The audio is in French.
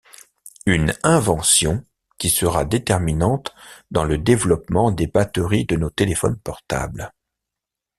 Une invention qui sera déterminante dans le développement des batteries de nos téléphones portables.